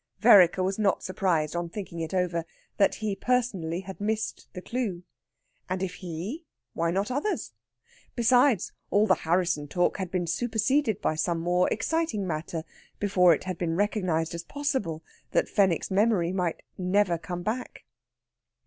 Vereker was not surprised, on thinking it over, that he personally had missed the clue. And if he, why not others? Besides, all the Harrisson talk had been superseded by some more exciting matter before it had been recognised as possible that Fenwick's memory might never come back.